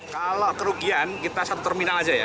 kalau kerugian kita satu terminal aja ya